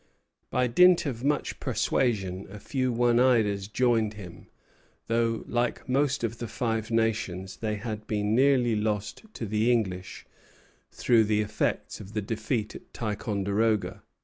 By dint of much persuasion a few Oneidas joined him; though, like most of the Five Nations, they had been nearly lost to the English through the effects of the defeat at Ticonderoga.